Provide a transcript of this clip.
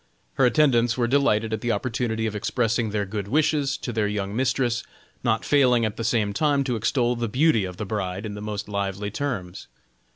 Her attendants were delighted at the opportunity of expressing their good wishes to their young mistress, not failing at the same time to extol the beauty of the bride in the most lively terms.